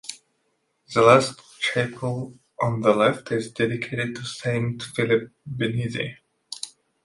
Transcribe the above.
The last chapel on the left is dedicated to Saint Philip Benizi.